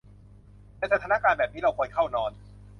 ในสถานการณ์แบบนี้ เราควรเข้านอน